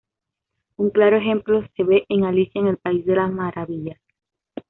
Un claro ejemplo se ve en "Alicia en el País de las Maravillas".